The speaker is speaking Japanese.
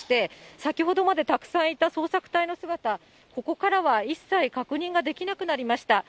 先ほどまでたくさんいた捜索隊の姿、ここからは一切確認ができなくなりました。